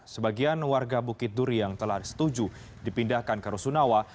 sebagian warga bukit duri yang telah setuju dipindahkan ke rusunawa